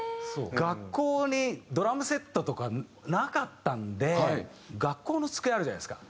学校にドラムセットとかなかったんで学校の机あるじゃないですか。